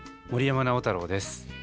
森山直太朗です。